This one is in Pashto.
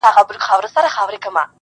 غوږ یې ونیوی منطق د زورور ته!.